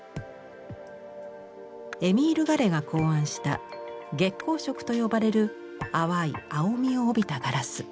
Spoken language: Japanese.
エミール・ガレが考案した月光色と呼ばれる淡い青みを帯びたガラス。